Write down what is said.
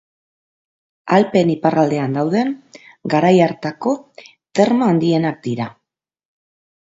Alpeen iparraldean dauden garai hartako terma handienak dira.